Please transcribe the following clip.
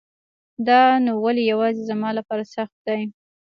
دا نو ولی يواځي زما لپاره سخت دی